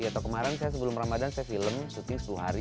atau kemarin saya sebelum ramadhan saya film syuting sepuluh hari